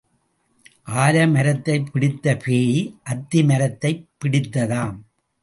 ஆலமரத்தைப் பிடித்த பேய் அத்தி மரத்தைப் பிடித்ததாம்.